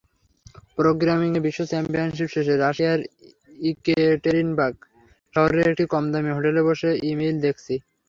প্রোগ্রামিংয়ের বিশ্ব চ্যাম্পিয়নশিপ শেষে রাশিয়ার ইকেটেরিনবার্গ শহরের একটি কমদামি হোটেলে বসে ই-মেইল দেখছি।